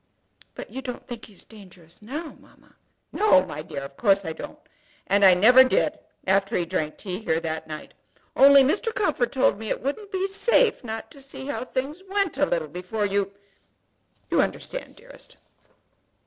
"But you don't think he is dangerous now, mamma?" "No, my dear; of course I don't. And I never did after he drank tea here that night; only Mr. Comfort told me it wouldn't be safe not to see how things went a little before you, you understand, dearest?"